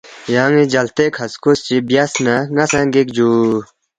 یان٘ی جلتے کھسکوس چی بیاس نہ ن٘ا سہ گِک جُو